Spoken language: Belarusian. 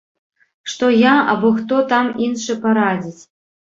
Што я або хто там іншы парадзіць!